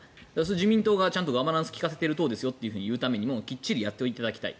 自民党がちゃんとガバナンスを利かせている党だというためにもきっちりやっていただきたい。